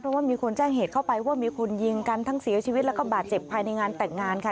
เพราะว่ามีคนแจ้งเหตุเข้าไปว่ามีคนยิงกันทั้งเสียชีวิตแล้วก็บาดเจ็บภายในงานแต่งงานค่ะ